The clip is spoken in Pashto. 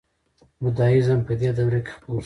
بودیزم په دې دوره کې خپور شو